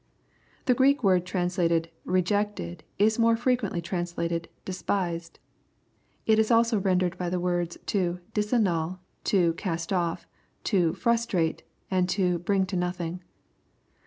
The Greek word translated "i^''jcted " is more frequently trans* lated *' despised." It is also r^pdered by the words to " disannul," to "cast off,*' to frustrate, ' and to "bring to nothing."